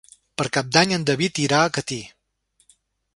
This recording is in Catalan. Per Cap d'Any en David irà a Catí.